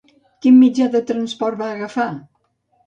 Quin mitjà de transport va agafar?